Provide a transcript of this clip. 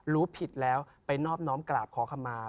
รู้ผิดแล้วไปนอบน้อมกราบขอขมา